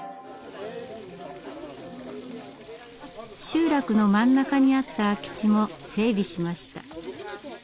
集落の真ん中にあった空き地も整備しました。